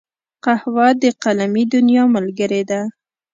قهوه د قلمي دنیا ملګرې ده